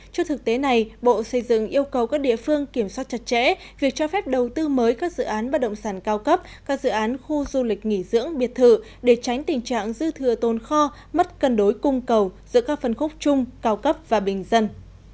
trước thực tế này bộ xây dựng yêu cầu các địa phương kiểm soát chặt chẽ việc cho phép đầu tư mới các dự án bất động sản cao cấp các dự án khu du lịch nghỉ dưỡng biệt thự để tránh tình trạng dư thừa tồn kho mất cân đối cung cầu giữa các phân khúc chung cao cấp và bình dân